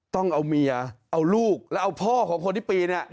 ต้องเอาเมียเอาลูกแล้วเอาพ่อของคนที่ปีน